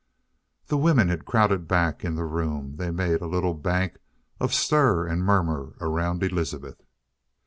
The women had crowded back in the room. They made a little bank of stir and murmur around Elizabeth.